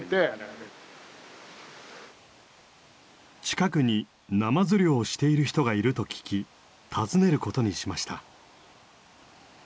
近くにナマズ漁をしている人がいると聞き訪ねることにしました。